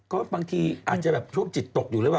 ก็บางทีอาจจะช่วงจิตตกอยู่เลยว่ะ